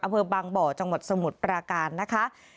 อำเภอบางบ่อจังหวัดสมุทรปราการนะคะ